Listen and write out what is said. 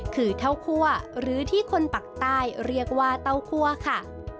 คือเท่าคั่วหรือที่คนปักใต้เรียกว่าเต้าคั่วค่ะ